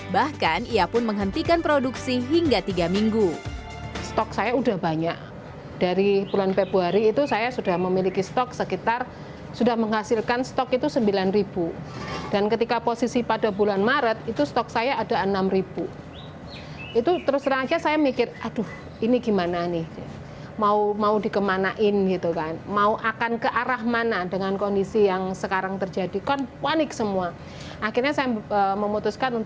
bahkan ia pun menghentikan produksi hingga tiga minggu